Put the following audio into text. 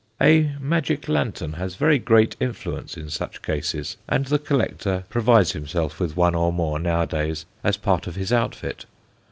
A magic lantern has very great influence in such cases, and the collector provides himself with one or more nowadays as part of his outfit.